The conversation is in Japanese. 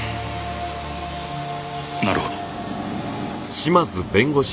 なるほど。